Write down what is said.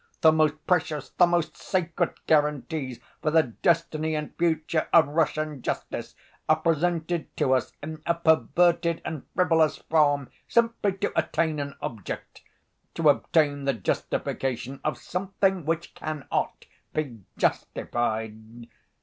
The most precious, the most sacred guarantees for the destiny and future of Russian justice are presented to us in a perverted and frivolous form, simply to attain an object—to obtain the justification of something which cannot be justified.